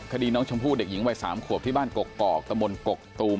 คดีน้องชมพู่เด็กหญิงวัย๓ขวบที่บ้านกกอกตะมนต์กกตูม